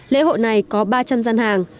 lễ hội này có ba trăm linh gian hàng